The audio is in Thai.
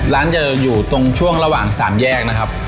ร้านจะอยู่ตรงช่วงระหว่าง๓แยกนะครับ